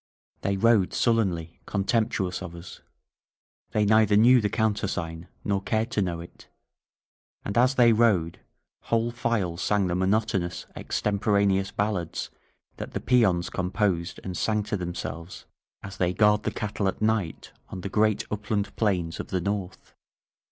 They rode sullenly, contempt uous of us. They neither knew the countersign nor cared to know it. And as they rode, whole files sang the monotonous, extemporaneous ballads that the peons compose and sing to themselves as they guard S06 THE COMPANEROS REAPPEAK the cattle at night on the great upland plains of the north.